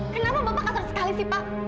kenapa bapak kasar sekali sih pak